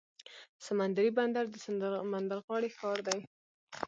سمندري بندر د سمندر غاړې ښار دی.